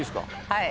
はい。